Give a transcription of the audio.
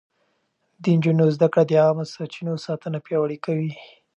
د نجونو زده کړه د عامه سرچينو ساتنه پياوړې کوي.